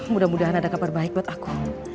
mudah mudahan ada kabar baik buat aku